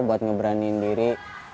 buat ngeberanin diri